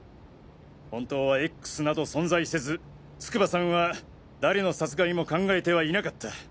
本当はＸなど存在せず筑波さんは誰の殺害も考えてはいなかった。